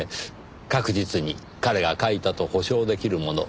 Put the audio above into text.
確実に彼が書いたと保証出来るもの。